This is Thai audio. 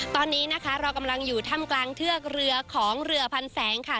ตอนนี้นะคะเรากำลังอยู่ถ้ำกลางเทือกเรือของเรือพันแสงค่ะ